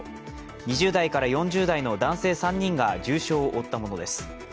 ２０代から４０代の男性３人が重傷を負ったものです。